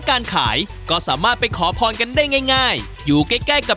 ขอแนะนำว่าให้มาว่ายใต่เสียบุคโจเลยค่ะ